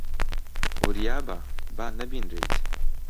وریا بە با نەبینرێیت.